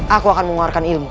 aku akan mengeluarkan ilmu